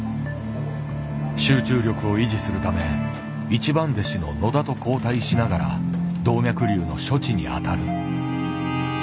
集中力を維持するため一番弟子の野田と交代しながら動脈瘤の処置に当たる。